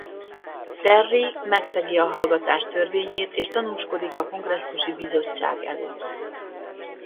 Terry megszegi a hallgatás törvényét és tanúskodik a kongresszusi bizottság előtt.